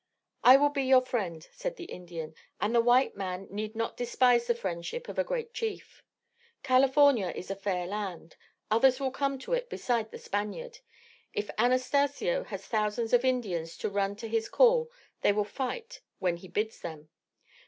"I will be your friend," said the Indian, "and the white man need not despise the friendship of a great chief. California is a fair land. Others will come to it besides the Spaniard. If Anastacio has thousands of Indians to run to his call they will fight when he bids them."